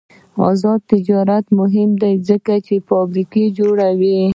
آزاد تجارت مهم دی ځکه چې فابریکې جوړوي.